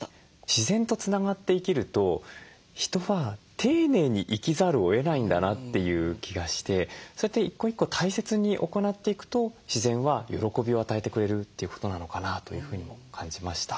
自然とつながって生きると人は丁寧に生きざるをえないんだなという気がしてそうやって一個一個大切に行っていくと自然は喜びを与えてくれるということなのかなというふうにも感じました。